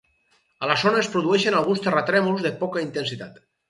A la zona es produeixen alguns terratrèmols de poca intensitat.